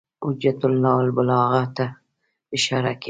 حجة الله البالغة ته اشاره کوي.